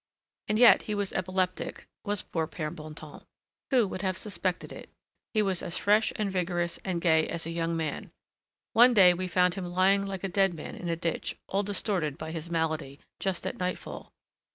And yet he was epileptic, was poor Père Bontemps. Who would have suspected it? He was as fresh and vigorous and gay as a young man. One day we found him lying like a dead man in a ditch, all distorted by his malady, just at nightfall.